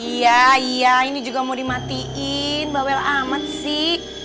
iya iya ini juga mau dimatiin bawel amat sih